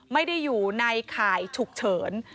ไม่ได้อยู่ในข่ายฉุกเฉิน